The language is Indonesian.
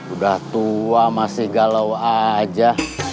udah tua masih galau aja